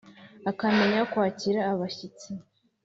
akamenya kwakira abashyitsi.”